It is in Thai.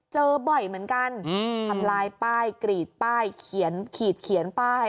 เจอบ่อยเหมือนกันทำลายป้ายกรีดป้ายเขียนขีดเขียนป้าย